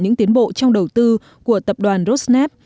những tiến bộ trong đầu tư của tập đoàn rosnef